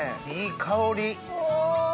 いい香り。